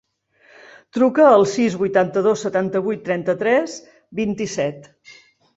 Truca al sis, vuitanta-dos, setanta-vuit, trenta-tres, vint-i-set.